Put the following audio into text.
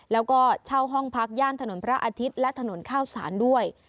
แล้วก็เช่าห้องพักย่านถนนพระอาทิตย์และถนนข้าวสารด้วย